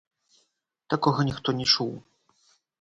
Такога ніхто не чуў!